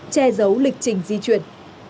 che giấu lịch trình di chuyển